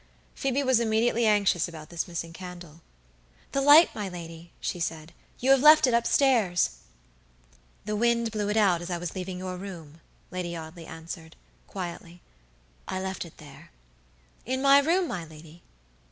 Phoebe was immediately anxious about this missing candle. "The light, my lady," she said, "you have left it up stairs!" "The wind blew it out as I was leaving your room," Lady Audley answered, quietly. "I left it there." "In my room, my lady?"